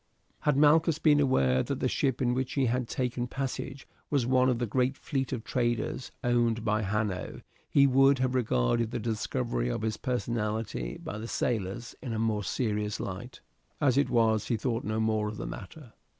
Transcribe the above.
Had Malchus been aware that the ship in which he had taken passage was one of the great fleet of traders owned by Hanno, he would have regarded the discovery of his personality by the sailors in a more serious light; as it was, he thought no more of the matter.